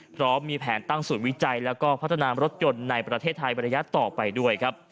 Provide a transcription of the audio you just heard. เพราะมีแผนตั้งสูตรวิจัยและพัฒนารถยนต์ในประเทศไทยบรรยาต่อไปด้วย